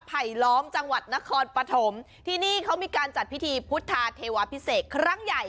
ไผลล้อมจังหวัดนครปฐมที่นี่เขามีการจัดพิธีพุทธาเทวาพิเศษครั้งใหญ่